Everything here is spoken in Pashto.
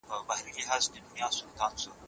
سردرد کله نرم وي، کله تېز وي.